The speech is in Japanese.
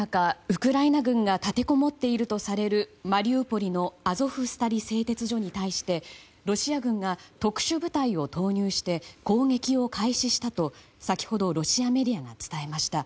ウクライナ軍が立てこもっているとされるマリウポリのアゾフスタリ製鉄所に対してロシア軍が特殊部隊を投入して攻撃を開始したと先ほどロシアメディアが伝えました。